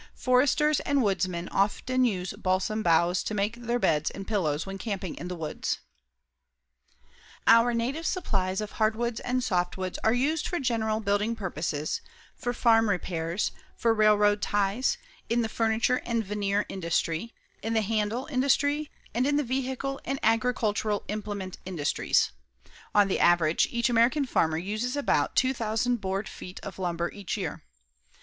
Foresters and woodsmen often use balsam boughs to make their beds and pillows when camping in the woods. [Illustration: PINE WHICH YIELDS TURPENTINE AND TIMBER] Our native supplies of hardwoods and softwoods are used for general building purposes, for farm repairs, for railroad ties, in the furniture and veneer industry, in the handle industry, and in the vehicle and agricultural implement industries. On the average each American farmer uses about 2,000 board feet of lumber each year.